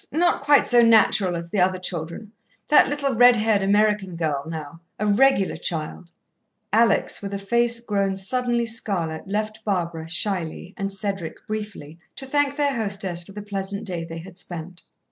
Not quite so natural as the other children. That little, red haired American girl, now a regular child " Alex, with a face grown suddenly scarlet, left Barbara, shyly, and Cedric, briefly, to thank their hostess for the pleasant day they had spent.